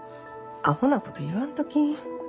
アホなこと言わんとき！